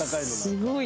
すごい。